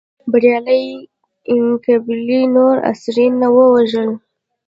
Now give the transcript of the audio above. بریالۍ قبیلې نور اسیران نه وژل.